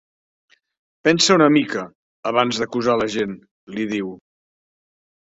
Pensa una mica, abans d'acusar la gent —li diu—.